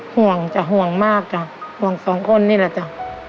ห่วงจ้ะห่วงมากจ้ะห่วงสองคนนี่แหละจ้ะ